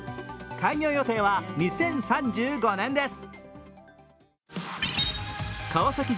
開業予定は２０３５年です。